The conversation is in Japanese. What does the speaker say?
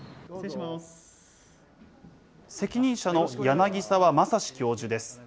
責任者の柳沢正史教授です。